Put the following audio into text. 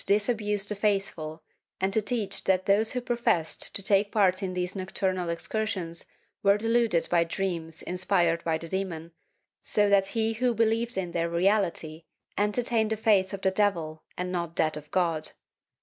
IX] THE SABBAT 209 disabuse the faithful and to teach that those who professed to take part in these nocturnal excursions were deluded by dreams inspired by the demon, so that he who believed in their reality entertained the faith of the devil and not that of God.